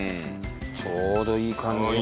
ちょうどいい感じに。